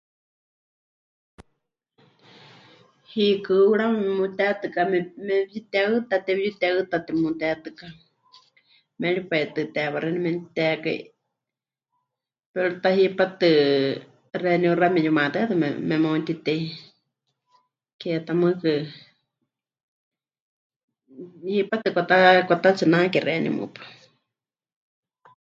Hiikɨ hurawa memutetɨká me... mepɨyuteɨta, tepɨyuteɨta temutetɨka, méripai tɨ teewa xeeníu memɨtekai, pero ta hipátɨ xeeníu 'axa meyumatɨátɨ me... memeutitei, ke ta mɨɨkɨ, hipátɨ kwata... kwatatsinake xeeníu mɨpaɨ.